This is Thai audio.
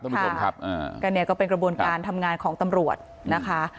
ท่านผู้ชมครับอ่าก็เนี่ยก็เป็นกระบวนการทำงานของตำรวจนะคะ